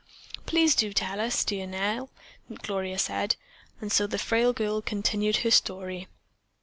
"Please do tell us, dear Nell," Gloria said, and so the frail girl continued her story.